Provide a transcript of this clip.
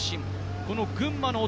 この群馬の男